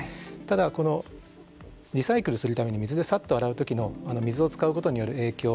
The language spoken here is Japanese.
ただこのリサイクルするために水でさっと洗う時の水を使うことによる影響